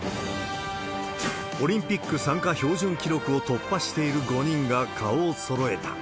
オリンピック参加標準記録を突破している５人が顔をそろえた。